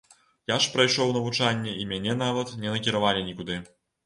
Я ж прайшоў навучанне і мяне нават не накіравалі нікуды.